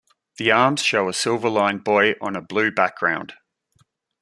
The arms show a silver line buoy on a blue background.